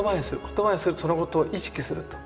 言葉にするそのことを意識すると。